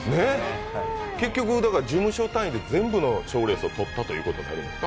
結局、事務所単位で全部の賞レースを取ったということになるんですか。